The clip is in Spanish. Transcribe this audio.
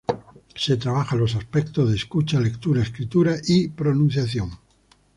Se trabaja los aspectos de escucha, lectura, escritura y pronunciación.